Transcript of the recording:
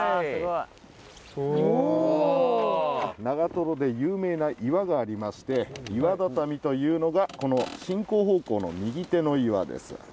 長で有名な岩がありまして岩畳というのがこの進行方向の右手の岩です。